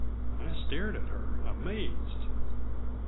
I stared at her, amazed.